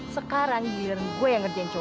sekarang giliran gue yang ngerjain coba